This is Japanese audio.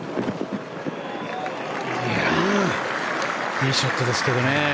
いいショットですけどね。